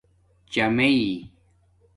چامیئئ